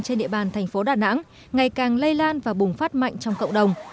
trên địa bàn thành phố đà nẵng ngày càng lây lan và bùng phát mạnh trong cộng đồng